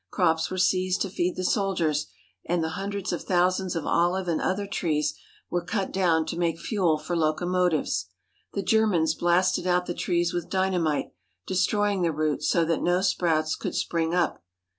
Crops were seized to feed the soldiers, while hundreds of thousands of olive and other trees were cut down to make fuel for locomotives. The Germans blasted out the trees with dynamite, destroying the roots so that no sprouts could spring up.